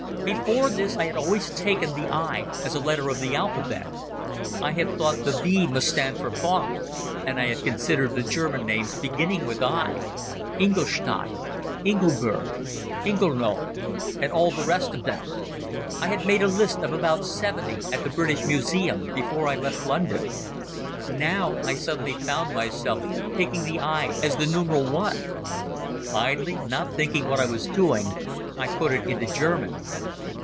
Before this I had always taken the I as the letter of the alphabet. I had thought the v. must stand for von, and I had considered the German names beginning with I—Ingolstadt, Ingeburg, Ingenohl, and all the rest of them. I had made a list of about seventy at the British Museum before I left London. Now I suddenly found myself taking the I as the numeral One. Idly, not thinking what I was doing, I put it into German.